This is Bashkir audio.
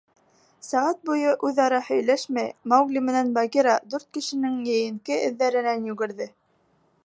Сәғәт буйы үҙ-ара һөйләшмәй, Маугли менән Багира дүрт кешенең йәйенке эҙҙәренән йүгерҙе.